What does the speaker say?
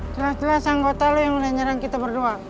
tila tila sanggota lu yang mulai nyerang kita berdua